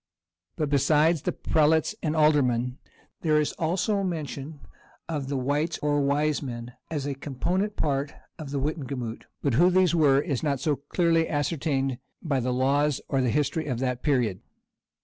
But besides the prelates and aldermen, there is also mention of the wites, or wisemen, as a component part of the wittenagemot; but who these were is not so clearly ascertained by the laws or the history of that period.